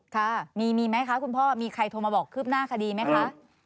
ค่ะมีไหมคะคุณพ่อมีใครโทรมาบอกคืบหน้าคดีไหมคะ